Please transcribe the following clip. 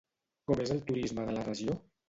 Com és el turisme de la regió?